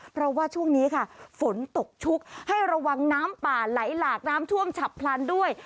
เพราะว่าช่วงนี้ค่ะฝนตกชุกให้ระวังน้ำป่าไหลหลากน้ำท่วมฉับพลันด้วย